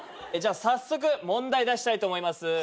じゃあ早速問題出したいと思います。